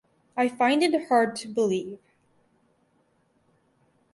I find it hard to believe.